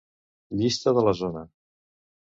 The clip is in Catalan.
Llista de la zona.